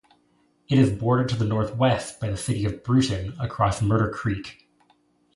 It is bordered to the northwest by the city of Brewton, across Murder Creek.